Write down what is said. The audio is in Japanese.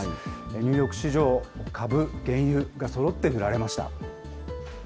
ニューヨーク市場、株、原油がそろって売られました。